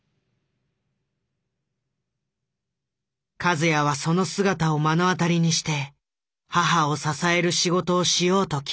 和也はその姿を目の当たりにして母を支える仕事をしようと決めた。